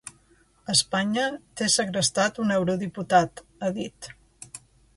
Espanya té segrestat un eurodiputat, ha dit.